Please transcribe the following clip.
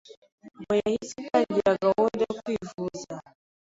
Ngo yahise atangira gahunda zo kwivuza,